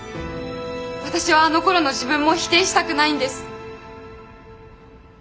私はあのころの自分も否定したくないんです！